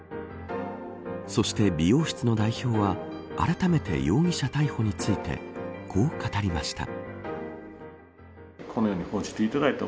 そして美容室の代表はあらためて容疑者逮捕についてこう語りました。